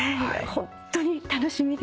ホントに楽しみです。